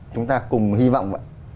chúng ta cùng hy vọng